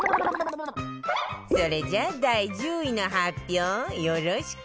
それじゃ第１０位の発表よろしく